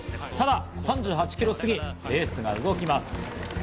ただ、３８キロ過ぎにレースが動きます。